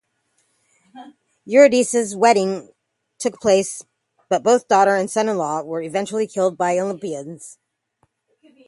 Eurydice's wedding took place, but both daughter and son-in-law were eventually killed by Olympias.